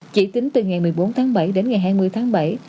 chỉ tính từ ngày một mươi bốn tháng bảy đến ngày hai mươi tháng bảy